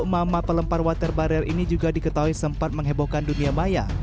mama pelempar water barrel ini juga diketahui sempat menghebohkan dunia maya